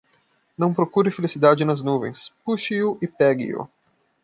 Não procure felicidade nas nuvens; Puxe-o e pegue-o!